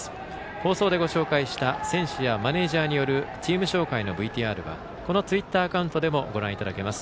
放送でご紹介した選手やマネージャーによるチーム紹介ＶＴＲはこのツイッターアカウントでもご覧いただけます。